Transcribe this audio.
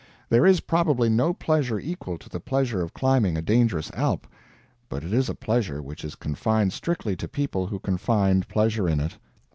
There is probably no pleasure equal to the pleasure of climbing a dangerous Alp; but it is a pleasure which is confined strictly to people who can find pleasure in it.